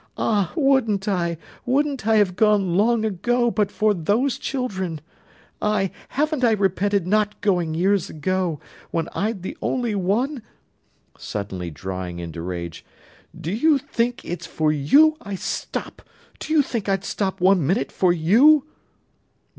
"Ah, wouldn't I, wouldn't I have gone long ago, but for those children. Ay, haven't I repented not going years ago, when I'd only the one"—suddenly drying into rage. "Do you think it's for you I stop—do you think I'd stop one minute for _you?